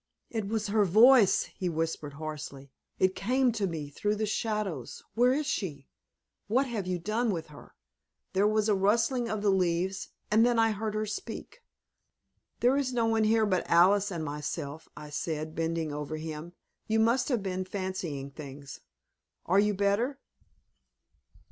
"It was her voice," he whispered, hoarsely. "It came to me through the shadows! Where is she? What have you done with her? There was a rustling of the leaves and then I heard her speak!" "There is no one here but Alice and myself," I said, bending over him. "You must have been fancying things. Are you better?"